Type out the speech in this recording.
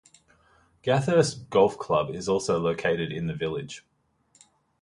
Gathurst Golf Club is also located in the village.